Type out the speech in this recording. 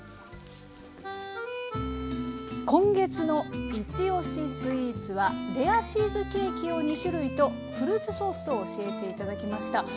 今月の「いちおしスイーツ」はレアチーズケーキを２種類とフルーツソースを教えて頂きました。